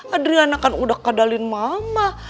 adriana kan udah kadalin mama